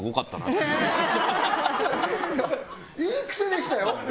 いいクセでしたよ。